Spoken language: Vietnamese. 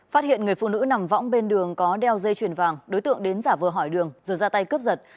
phát hiện người phụ nữ nằm võng bên đường có đeo dây chuyền vàng đối tượng đến giả vờ hỏi đường rồi ra tay cướp giật